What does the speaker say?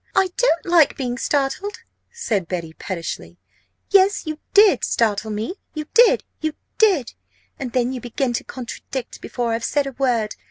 "I don't like being startled," said Betty, pettishly. "Yes, you did startle me you did you did! And then you begin to contradict before I've said a word!